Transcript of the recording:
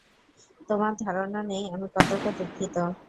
তোমার ধারণাও নেই আমি কতটা দুঃখিত।